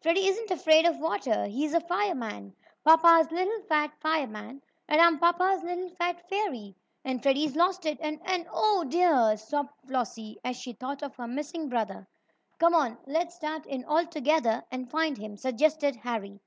"Freddie isn't afraid of water he's a fireman papa's little fat fireman, and I'm papa's little fat fairy, and Freddie's losted and and oh, dear!" sobbed Flossie, as she thought of her missing brother. "Come on, let's start in all together and find him," suggested Harry.